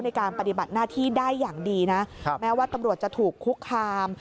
ในการปฏิบัติหน้าที่ได้อย่างดีนะแม้ว่าตำรวจจะถูกคุกคาม